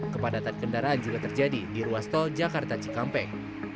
kepadatan kendaraan juga terjadi di ruas tol jakarta cikampek